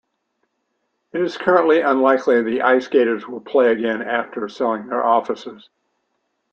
It is currently unlikely the IceGators will play again after selling their offices.